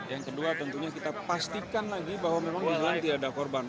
yang kedua tentunya kita pastikan lagi bahwa memang di sana tidak ada korban